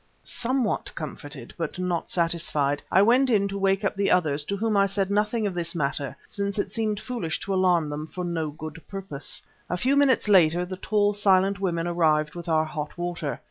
Somewhat comforted, though not satisfied, I went in to wake up the others, to whom I said nothing of this matter since it seemed foolish to alarm them for no good purpose. A few minutes later the tall, silent women arrived with our hot water.